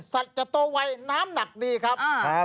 สัตว์จะโตวัยน้ำหนักดีครับ